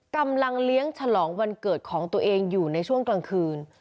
กำลังเลี้ยงฉลองวันเกิดของตัวเองอยู่ในช่วงกลางคืน